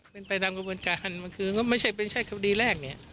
เป็นไปดามกระบวนการมันคือไม่ใช่เป็นใช่คดีแรก